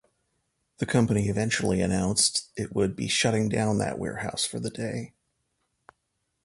The company eventually announced it would be shutting down that warehouse for the day.